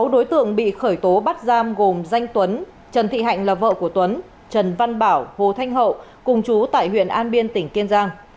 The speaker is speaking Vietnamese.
sáu đối tượng bị khởi tố bắt giam gồm danh tuấn trần thị hạnh là vợ của tuấn trần văn bảo hồ thanh hậu cùng chú tại huyện an biên tỉnh kiên giang